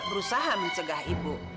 ibu berusaha mencegah ibu